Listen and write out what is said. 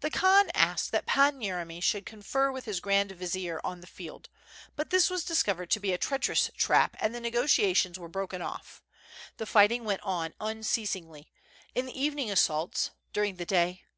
The Khan asked that Prince Yeremy should confer with his Grand Vizir on the field, but this was discovered to be a treaclierous trap, and the negotiations were broken off. The fighting went on unceasingly, in the evening assaults, during the day.